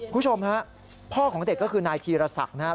คุณผู้ชมฮะพ่อของเด็กก็คือนายธีรศักดิ์นะครับ